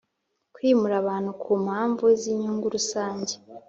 Kwimura abantu ku mpamvu z’inyungu rusange